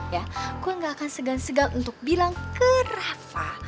ya gue gak akan segan segan untuk bilang ke rafa